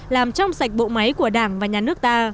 làm trong sạch bộ máy của đảng và nhà nước ta